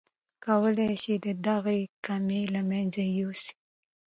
کولای شئ دغه کمی له منځه يوسئ.